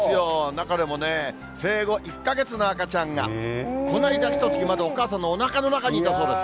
中でもね、生後１か月の赤ちゃんが、こないだ来たとき、まだお母さんのおなかの中にいたそうです。